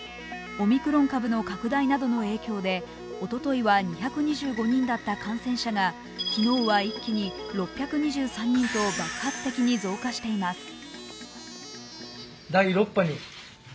オミクロン株の拡大などの影響でおとといは２２５人だった感染者が昨日は一気に６２３人と爆発的に増加しています。